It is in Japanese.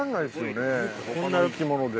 こんな生き物で。